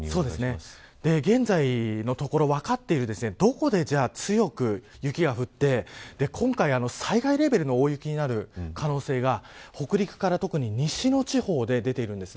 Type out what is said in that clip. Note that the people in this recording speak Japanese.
現在のところ、分かっているどこで、じゃあ強く雪が降って今回、災害レベルの大雪になる可能性が北陸から特に西の地方で出ているんです。